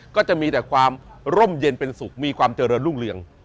ก็จะมีแต่ความร่มเย็นเป็นสุขมีความเจริญรุ่งเรือง